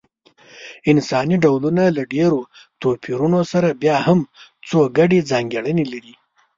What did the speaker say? انساني ډولونه له ډېرو توپیرونو سره بیا هم څو ګډې ځانګړنې لري.